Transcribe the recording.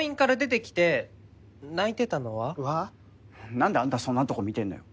何であんたそんなとこ見てんのよ。